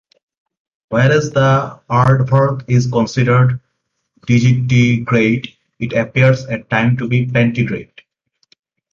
Whereas the aardvark is considered digitigrade, it appears at time to be plantigrade.